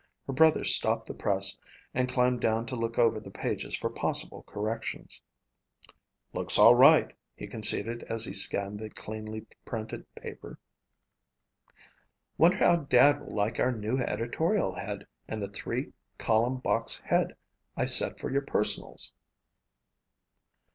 Her brother stopped the press and climbed down to look over the pages for possible corrections. "Looks all right," he conceded as he scanned the cleanly printed page. "Wonder how Dad will like our new editorial head and the three column box head I set for your personals?"